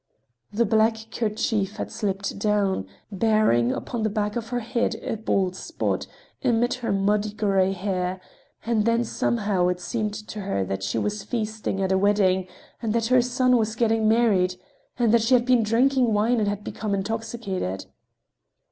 The black kerchief had slipped down, baring upon the back of her head a bald spot amid her muddy gray hair; and then somehow it seemed to her that she was feasting at a wedding, that her son was getting married, and she had been drinking wine and had become intoxicated.